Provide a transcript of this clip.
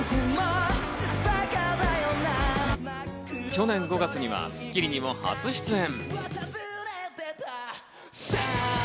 去年５月には『スッキリ』にも初出演。